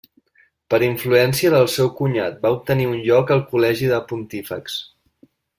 Per influència del seu cunyat va obtenir un lloc al col·legi de Pontífexs.